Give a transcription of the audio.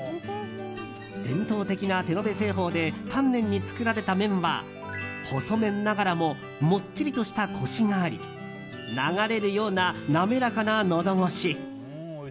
伝統的な手延べ製法で丹念に作られた麺は細麺ながらももっちりとしたコシがあり流れるような滑らかなのど越し。